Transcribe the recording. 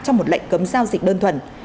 trong một lệnh cấm giao dịch đơn thuần